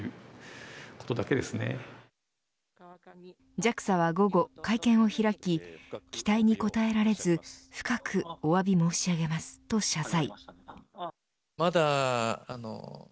ＪＡＸＡは午後、会見を開き期待に応えられず深くおわび申し上げますと謝罪。